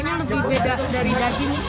cuma memang agak penyaunya lebih beda dari daging